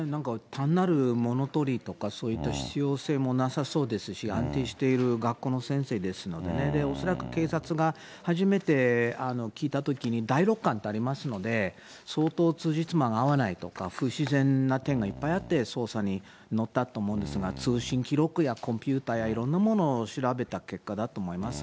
単なる物取りとか、そういった必要性もなさそうですし、安定している学校の先生ですのでね、恐らく警察が初めて聞いたときに、第六感ってありますので、相当つじつまが合わないとか、不自然な点がいっぱいあって、捜査に乗ったと思うんですが、通信記録やコンピューターやいろんなものを調べた結果だと思いま